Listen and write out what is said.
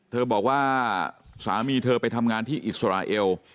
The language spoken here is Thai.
บอกว่าสามีเธอไปทำงานที่อิสราเอล